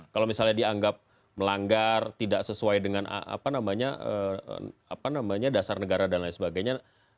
kalau misalnya dianggap melanggar tidak sesuai dengan dasar negara dan lain sebagainya